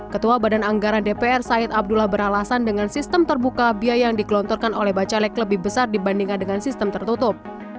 ketua badan anggaran dpr said abdullah beralasan dengan sistem terbuka biaya yang dikelontorkan oleh bacalek lebih besar dibandingkan dengan sistem tertutup